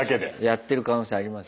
やってる可能性ありますよ。